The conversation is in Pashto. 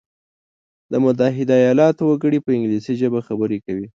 د متحده ایلاتو وګړي په انګلیسي ژبه خبري کوي.